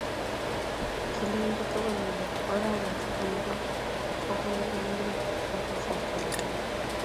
Kile eng kougul kole oranoto koibuu kokoibuu nyalil eng kasarta ne mominig.